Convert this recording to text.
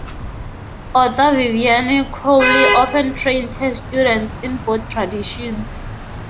Author Vivianne Crowley often trains her students in both traditions.